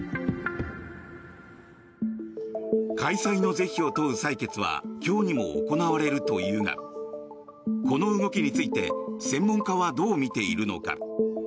開催の是非を問う採決は今日にも行われるというがこの動きについて専門家はどう見ているのか。